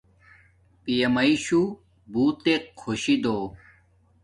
پیا میشو بوتک خوشی دو